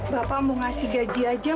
bapak mau ngasih gaji aja